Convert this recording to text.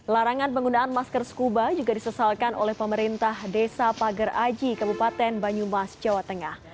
larangan penggunaan masker scuba juga disesalkan oleh pemerintah desa pager aji kabupaten banyumas jawa tengah